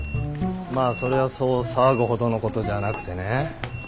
まあそれはそう騒ぐほどのことじゃなくてね